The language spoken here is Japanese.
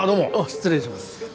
失礼します。